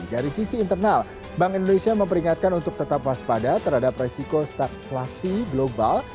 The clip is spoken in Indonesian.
dari sisi internal bank indonesia memperingatkan untuk tetap waspada terhadap resiko stakflasi global